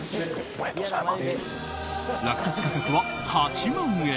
落札価格は８万円。